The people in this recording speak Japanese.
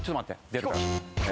出るから。